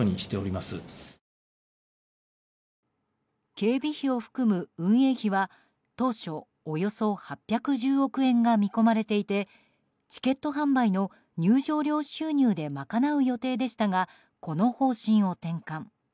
警備費を含む運営費は当初およそ８１０億円が見込まれていてチケット販売の入場料収入で賄う予定でしたがこの方針を転換。